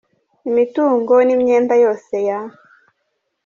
Imitungo n’imyenda yose ya.